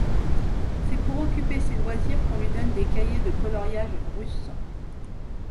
C'est pour occuper ses loisirs qu'on lui donne des cahiers de coloriage russes.